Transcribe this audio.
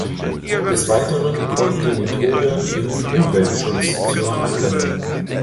Des Weiteren kommt die Methode im Umweltschutz zur Anwendung.